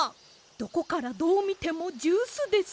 どこからどうみてもジュースです。